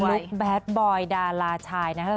ุ๊กแบดบอยดาราชายนะฮะ